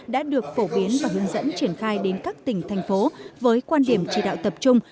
đã được phổ biến và hướng dẫn triển khai đến các tỉnh thành phố với quan điểm chỉ đạo tập trung